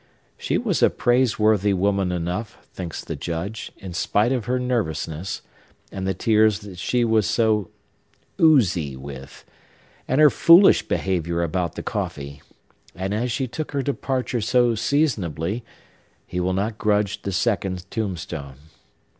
She was a praiseworthy woman enough, thinks the Judge, in spite of her nervousness, and the tears that she was so oozy with, and her foolish behavior about the coffee; and as she took her departure so seasonably, he will not grudge the second tombstone.